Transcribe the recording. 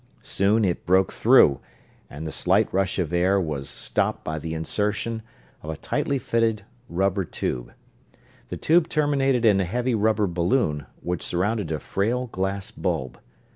Soon it broke through, and the slight rush of air was stopped by the insertion of a tightly fitting rubber tube. The tube terminated in a heavy rubber balloon, which surrounded a frail glass bulb.